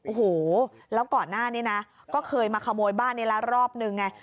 โอ้โหแล้วก่อนหน้านี้นะก็เคยมาขโมยบ้านนี้ละรอบนึงไง